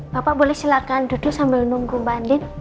bapak boleh silakan duduk sambil nunggu bu andin